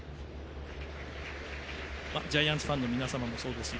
ジャイアンツファンの皆さんもそうですし